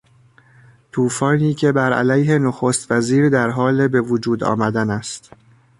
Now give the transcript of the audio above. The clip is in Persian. توفانی که برعلیه نخستوزیر در حال به وجود آمدن است.